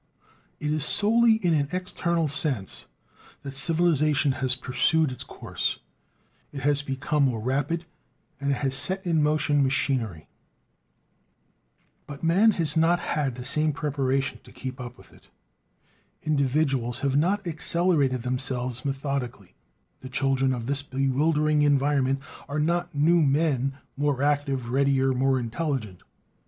It is solely in an external sense that civilization has pursued its course. It has become more rapid, it has set in motion machinery. But man has not had the same preparation to keep up with it: individuals have not accelerated themselves methodically; the children of this bewildering environment are not new men, more active, readier, more intelligent.